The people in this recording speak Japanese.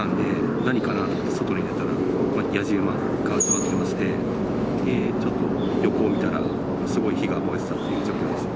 爆発音がしたんで、何かな？と外に出たら、やじうまが集まっていまして、ちょっと横を見たら、すごい火が燃えてたっていう状況ですね。